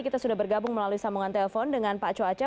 kita sudah bergabung melalui sambungan telepon dengan pak coace